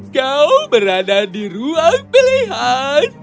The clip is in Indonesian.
kau berada di ruang pilihan